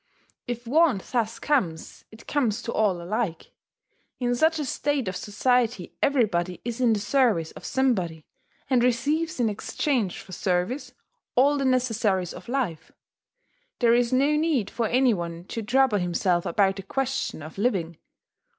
If want thus comes, it comes to all alike. In such a state of society everybody is in the service of somebody, and receives in exchange for service all the necessaries of life: there is no need for any one to trouble himself about the question of living.